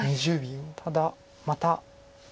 ただまた。